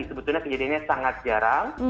sebetulnya kejadiannya sangat jarang